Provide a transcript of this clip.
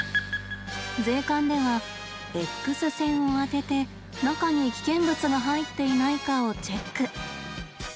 税関ではＸ線をあてて中に危険物が入っていないかをチェック。